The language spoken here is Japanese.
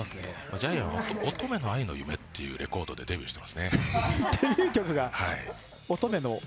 ジャイアンは「乙女の愛の夢」という曲でデビューしてますね。